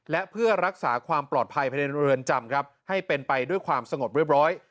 และเพื่อรักษาความปลอดภัยภายในเรือนจำครับให้เป็นไปด้วยความสงบเรียบร้อย